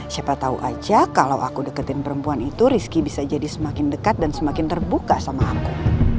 siapa tahu aja kalau aku deketin perempuan itu rizky bisa jadi semakin dekat dan semakin terbuka sama aku